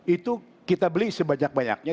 itu kita beli sebanyak banyaknya